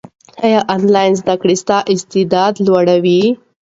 ایا انلاین زده کړه ستا استعداد لوړوي؟